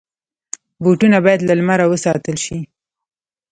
بوټونه باید له لمره وساتل شي.